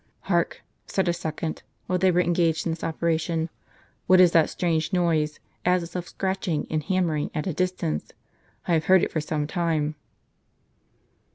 " Hark !" said a second, while they were engaged in this operation; "what is that strange noise, as if of scratching and hammering at a distance? I have heard it for some time."